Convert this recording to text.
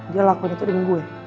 dia lakuin itu dengan gue